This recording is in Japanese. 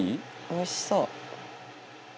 おいしそう。